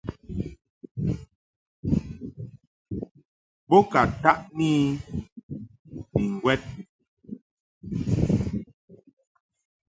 Bo ka taʼni I ni ŋgwɛd.